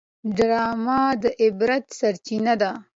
ډرامه د عبرت سرچینه ده